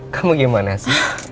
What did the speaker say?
kamu gimana sih